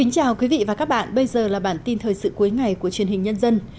chào các bạn bây giờ là bản tin thời sự cuối ngày của truyền hình nhân dân